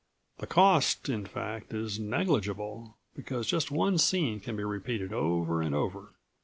The cost, in fact, is negligible, because just one scene can be repeated over and over.